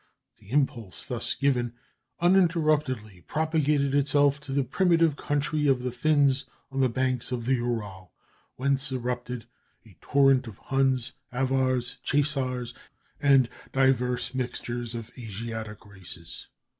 The impulse thus given, uninterruptedly propagated itself to the primitive country of the Fins, on the banks of the Ural, whence irrupted a torrent of Huns, Avars, Chasars, and divers mixtures of Asiatic races.